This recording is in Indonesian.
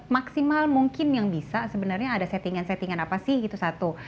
maksimal mungkin yang bisa sebenarnya ada settingan settingan apa sih itu satu